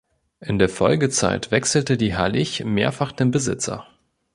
In der Folgezeit wechselte die Hallig mehrfach den Besitzer.